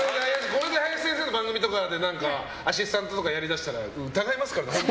これで林先生の番組とかでアシスタントとかやりだしたら疑いますからね。